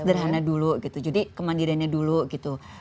sederhana dulu gitu jadi kemandiriannya dulu gitu